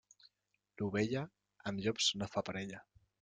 L'ovella, amb llops no fa parella.